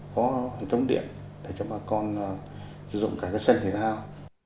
có hệ thống điện để cho bà con sử dụng cả cái sân thể thao